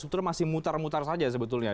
sebetulnya masih mutar mutar saja sebetulnya